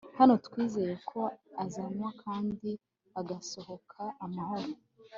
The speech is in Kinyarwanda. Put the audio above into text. Hano twizeye ko azanywa kandi agasohoka amahoro